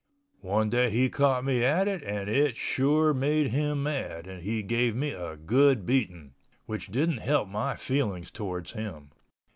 One day he caught me at it and it sure made him mad and he gave me a good beating, which didn't help my feelings towards him.